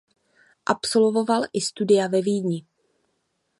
Absolvoval i studia ve Vídni.